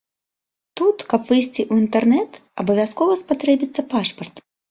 Тут, каб выйсці ў інтэрнэт, абавязкова спатрэбіцца пашпарт.